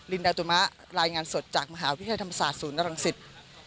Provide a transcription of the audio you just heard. ดาตุมะรายงานสดจากมหาวิทยาลัยธรรมศาสตร์ศูนย์รังสิต